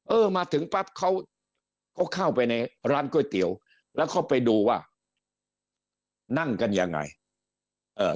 เออมาถึงปั๊บเขาเขาเข้าไปในร้านก๋วยเตี๋ยวแล้วเขาไปดูว่านั่งกันยังไงเอ่อ